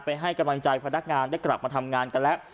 ให้กำลังใจพนักงานได้กลับมาทำงานกันแล้ว